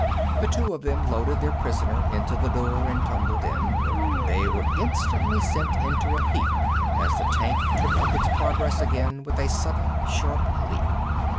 The two of them loaded their prisoner into the door and tumbled in. They were instantly sent into a heap as the tank took up its progress again with a sudden sharp leap.